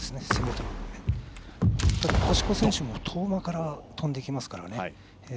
ただ星子選手も遠間から飛んできますからね。